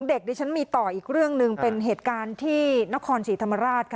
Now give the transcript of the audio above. ดิฉันมีต่ออีกเรื่องหนึ่งเป็นเหตุการณ์ที่นครศรีธรรมราชค่ะ